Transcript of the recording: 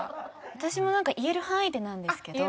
私も言える範囲でなんですけど。